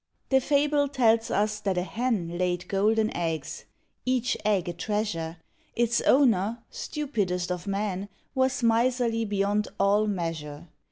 The fable tells us that a Hen Laid golden eggs, each egg a treasure; Its owner stupidest of men Was miserly beyond all measure.